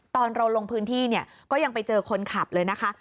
ตอนเราลงพื้นที่เนี่ยก็ยังไปเจอคนขับเลยนะคะ